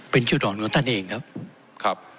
เป็นชุดหลอนของท่านเองครับ